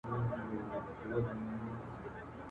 تاریخي آثارو دا نقش تائید کړی.